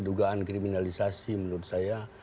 dugaan kriminalisasi menurut saya